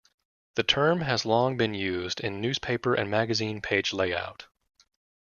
The term has long been used in newspaper and magazine page layout.